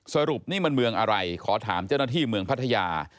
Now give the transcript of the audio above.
สรุปนี่มันเมืองอะไรขอถามเจ้าหน้าที่เมืองพัทยา